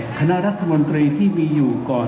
คณะรัฐมนตรีที่มีอยู่ก่อน